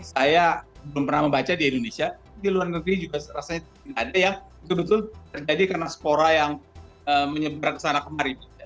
saya belum pernah membaca di indonesia di luar negeri juga rasanya tidak ada yang betul betul terjadi karena spora yang menyebar ke sana kemari